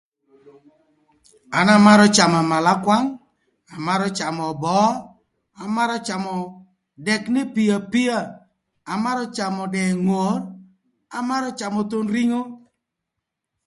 An amarö camö amalakwang, amarö camö böö, amarö camö dëk n'epio apia, amarö camö dëë ngor, amarö camö thon ringo.